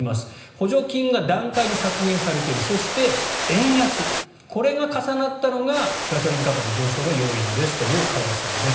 補助金が段階的に削減されているのとそして円安これが重なったのがガソリン価格上昇の要因ですという加谷さんです。